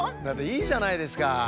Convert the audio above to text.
だっていいじゃないですか。